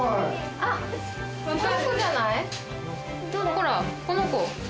ほらこの子。